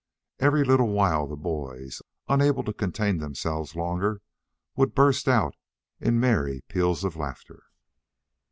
Every little while the boys, unable to contain themselves longer, would burst out into merry peals of laughter.